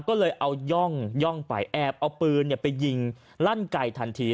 ก็เลยเอาย่องไปแอบเอาปืนไปยิงลั่นไก่ทันที